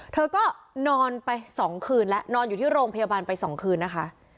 เธอก็นอนไป๒คืนแล้วนอนอยู่ที่โรงพยาบาลไป๒คืนนะคะ